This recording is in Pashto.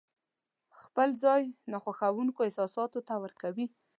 خپل ځای ناخوښونکو احساساتو ته ورکوي.